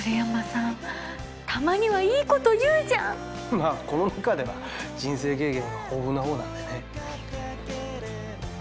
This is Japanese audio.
まあこの中では人生経験が豊富な方なんでね。